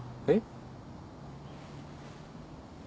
えっ？